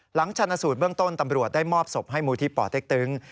ชาญสูตรเบื้องต้นตำรวจได้มอบศพให้มูลที่ป่อเต็กตึง